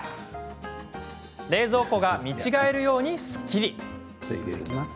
冷蔵庫が見違えるようにすっきり。